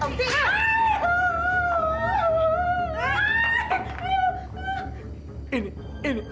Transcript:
kamu bisa kembali ke rumah